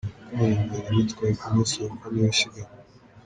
Uko Abanyarwanda bitwaye ku munsi wa kane w’isiganwa.